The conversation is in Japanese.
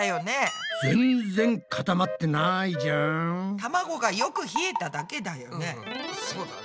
たまごがよく冷えただけだよね。